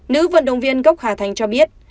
nữ vận động viên gốc hà thành cho biết